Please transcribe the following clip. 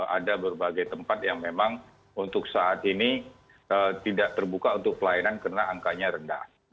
ada berbagai tempat yang memang untuk saat ini tidak terbuka untuk pelayanan karena angkanya rendah